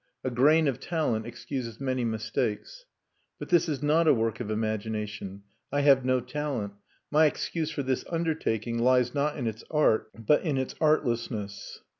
A grain of talent excuses many mistakes. But this is not a work of imagination; I have no talent; my excuse for this undertaking lies not in its art, but in its artlessness.